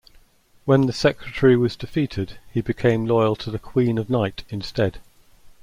When the secretary was defeated, he became loyal to the Queen of Night instead.